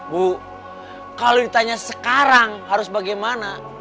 bu kalau ditanya sekarang harus bagaimana